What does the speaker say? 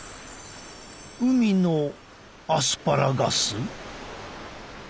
海のアスパラガス？